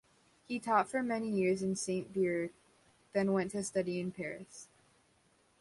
He taught for many years in Saint-Brieuc, then went to study in Paris.